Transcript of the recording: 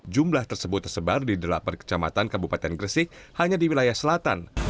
jumlah tersebut tersebar di delapan kecamatan kabupaten gresik hanya di wilayah selatan